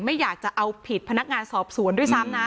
ไม่อยากจะเอาผิดพนักงานสอบสวนด้วยซ้ำนะ